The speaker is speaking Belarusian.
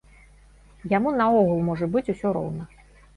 Яму наогул можа быць усё роўна.